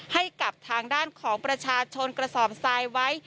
ให้กับทางด้านของประชาชนกระสอบทรายไว้